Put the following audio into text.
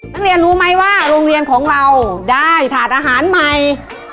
นักเรียนรู้ไหมว่าโรงเรียนของเราได้ถาดอาหารใหม่